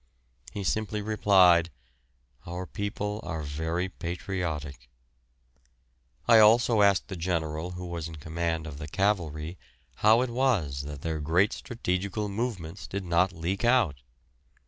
He simply replied, "Our people are very patriotic." I also asked the general who was in command of the cavalry how it was that their great strategical movements did not leak out.